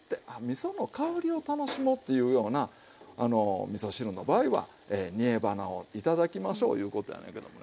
その香りを楽しもうっていうようなみそ汁の場合は煮えばなを頂きましょういうことやねんけどもね。